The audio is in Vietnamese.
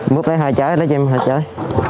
mướp lấy hai trái lấy cho em hai trái